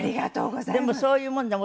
でもそういうもんで男の人ね